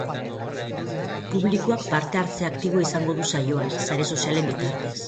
Publikoak parte-hartze aktiboa izango du saioan, sare sozialen bitartez.